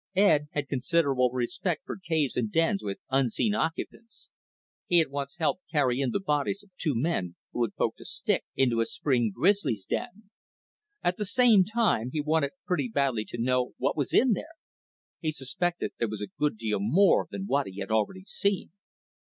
Ed had considerable respect for caves and dens with unseen occupants he had once helped carry in the bodies of two men who had poked a stick into a spring grizzly's den. At the same time, he wanted pretty badly to know what was in there. He suspected there was a good deal more than what he had already seen.